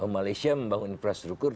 malaysia membangun infrastruktur